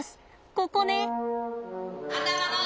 ここね！